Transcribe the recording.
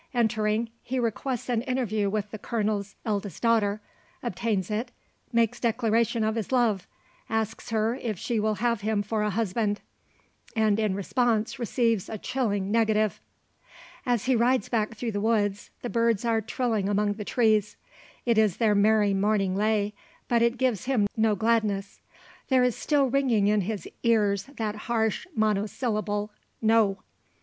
Entering, he requests an interview with the colonel's eldest daughter; obtains it; makes declaration of his love; asks her if she will have him for a husband; and in response receives a chilling negative. As he rides back through the woods, the birds are trilling among the trees. It is their merry morning lay, but it gives him no gladness. There is still ringing in his ears that harsh monosyllable, "no."